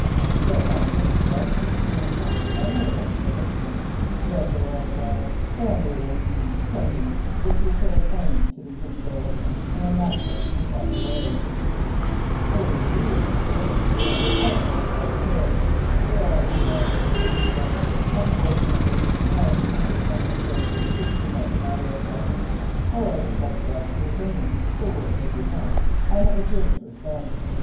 "The fact is, Quest," he went on by way of explanation, "that there are—well—family arrangements pending which will put an end to these embarrassments in a natural and a proper way." "Indeed," said Mr. Quest, "I am very glad to hear it." "Yes, yes," said the Squire, "unfortunately I am under some restraints in speaking about the matter at present, or I should like to ask your opinion, for which as you know I have a great respect.